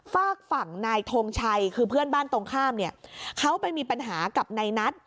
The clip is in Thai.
ฝากฝั่งนายทงชัยคือเพื่อนบ้านตรงข้ามเนี่ยเขาไปมีปัญหากับนายนัท